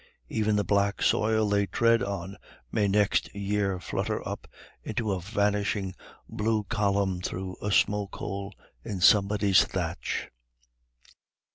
Even the black soil they tread on may next year flutter up into a vanishing blue column through a smoke hole in somebody's thatch.